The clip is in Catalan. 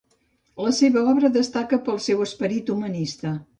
La seva obra destaca pel seu esperit humanista.